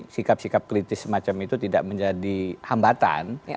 sikap sikap kritis semacam itu tidak menjadi hambatan